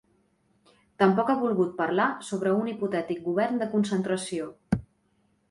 Tampoc ha volgut parlar sobre un hipotètic govern de concentració.